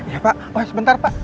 ya pak sebentar pak